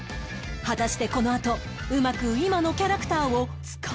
果たしてこのあとうまく今のキャラクターを使いこなせるのか？